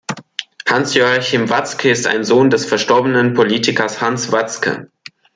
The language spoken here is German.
Hans-Joachim Watzke ist ein Sohn des verstorbenen Politikers Hans Watzke.